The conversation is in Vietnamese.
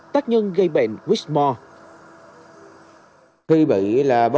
tác nhân gây bệnh huyết mò